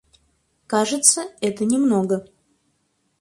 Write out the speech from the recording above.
Кажется, это не много.